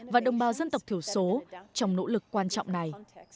và đồng bào dân tộc thiểu số trong nỗ lực quan trọng này